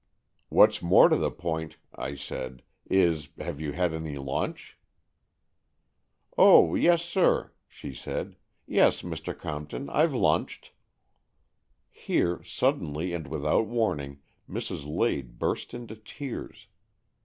"WhaCs more to the point," I said, "is, have you had any lunch? " "Oh yes, sir," she said. "Yes, Mr. Compton, Fve lunched." Here, suddenly and without warning, Mrs. Lade burst into tears.